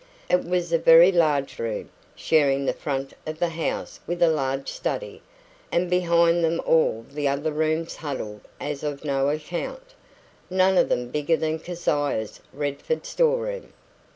It was a very large room, sharing the front of the house with a large study; and behind them all the other rooms huddled as of no account, none of them bigger than Keziah's Redford storeroom.